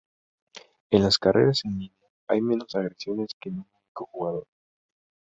En las carreras en línea, hay menos agresiones que en un único jugador.